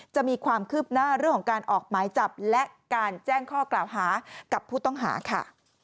จะมีความคืบหน้าเรื่องของการออกหมายจับและการแจ้งข้อกล่าวหากับผู้ต้องหาค่ะ